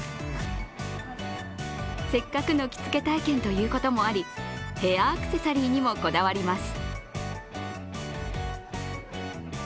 せっかくの着付け体験ということもあり、ヘアアクセサリーにもこだわります。